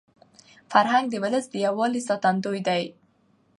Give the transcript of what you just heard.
فرهنګ د ولس د یووالي ساتندوی دی.